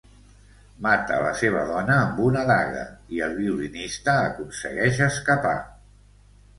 Mata la seva dona amb una daga, i el violinista aconsegueix escapar.